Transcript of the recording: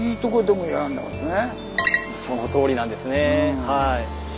そのとおりなんですね。